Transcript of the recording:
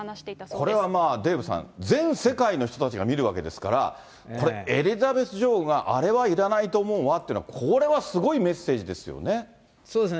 これはまあ、デーブさん、全世界の人たちが見るわけですから、これ、エリザベス女王が、あれはいらないと思うわっていうのは、これはそうですね。